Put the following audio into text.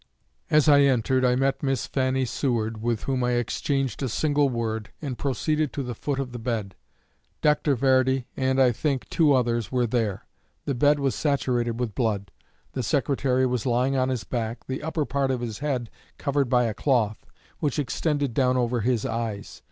As I entered, I met Miss Fanny Seward, with whom I exchanged a single word, and proceeded to the foot of the bed. Dr. Verdi, and, I think, two others, were there. The bed was saturated with blood. The Secretary was lying on his back, the upper part of his head covered by a cloth, which extended down over his eyes.